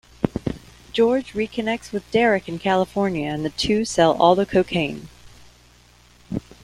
George reconnects with Derek in California, and the two sell all the cocaine.